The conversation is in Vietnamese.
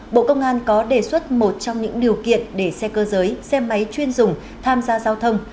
bộ công an có đề xuất một trong những điều kiện để xe cơ giới xe máy chuyên dùng tham gia giao thông